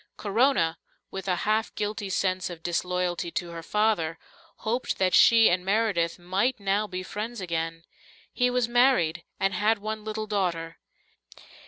Corona, with a half guilty sense of disloyalty to her father, hoped that she and Meredith might now be friends again. He was married, and had one little daughter.